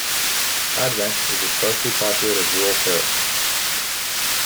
Advent is a sparsely populated rural parish.